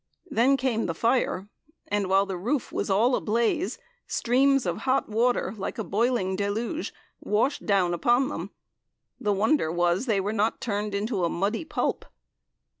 Then came the fire, and while the roof was all ablaze streams of hot water, like a boiling deluge, washed down upon them. The wonder was they were not turned into a muddy pulp.